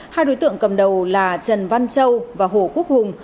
hai đối tượng cầm đầu là trần văn châu và hồ quốc hùng